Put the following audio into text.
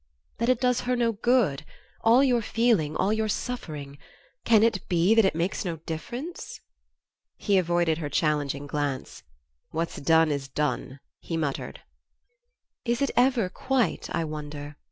"That it does her no good all you're feeling, all you're suffering. Can it be that it makes no difference?" He avoided her challenging glance. "What's done is done," he muttered. "Is it ever, quite, I wonder?"